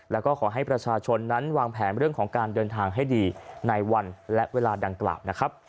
แล้วก็ขอให้ประชาชนนั้นวางแผนเรื่องของการเดินทางให้ดีในวันและเวลาดังกล่าวนะครับ